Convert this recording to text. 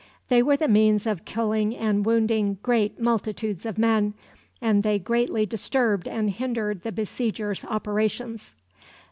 They were the means of killing and wounding great multitudes of men, and they greatly disturbed and hindered the besiegers' operations.